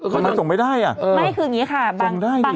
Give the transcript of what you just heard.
ก็ส่งไม่ได้อ่ะไม่คืออย่างนี้ค่ะ